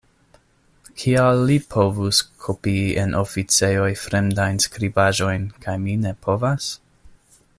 Kial li povus kopii en oficejoj fremdajn skribaĵojn, kaj mi ne povas?